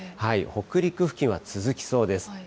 北陸付近は続きそうです。